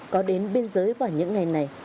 có đến biên giới quả những ngày này